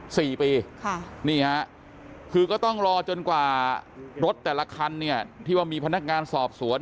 สี่ปีค่ะนี่ฮะคือก็ต้องรอจนกว่ารถแต่ละคันเนี่ยที่ว่ามีพนักงานสอบสวน